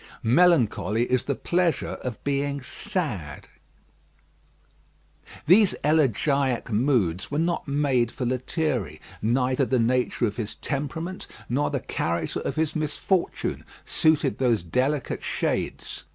Melancholy is the pleasure of being sad. These elegiac moods were not made for Lethierry. Neither the nature of his temperament nor the character of his misfortune suited those delicate shades.